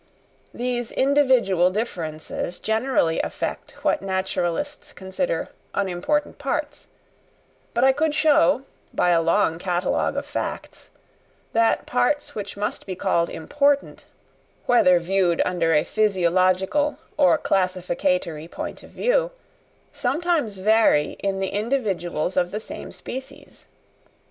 These individual differences generally affect what naturalists consider unimportant parts; but I could show, by a long catalogue of facts, that parts which must be called important, whether viewed under a physiological or classificatory point of view, sometimes vary in the individuals of the same species.